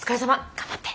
頑張って！